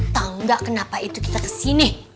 tau gak kenapa itu kita kesini